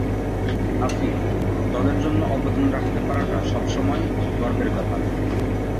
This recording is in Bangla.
আফিফ: দলের জন্য অবদান রাখতে পারাটা সব সময় গর্বের ব্যাপার।